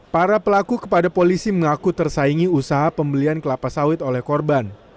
para pelaku kepada polisi mengaku tersaingi usaha pembelian kelapa sawit oleh korban